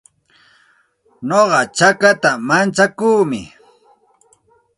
Nuqa chakata mantsakuumi.